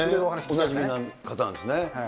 おなじみの方なんですね。